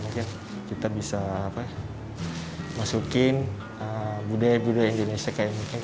mungkin kita bisa masukin budaya budaya indonesia kayak mungkin